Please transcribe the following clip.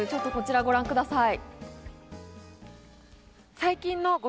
こちらをご覧ください。